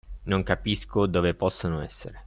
Non capisco dove possano essere.